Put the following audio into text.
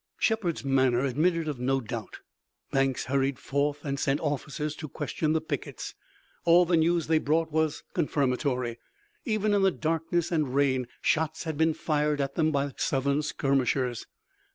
Shepard's manner admitted of no doubt. Banks hurried forth and sent officers to question the pickets. All the news they brought was confirmatory. Even in the darkness and rain shots had been fired at them by the Southern skirmishers.